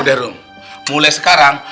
udah rum mulai sekarang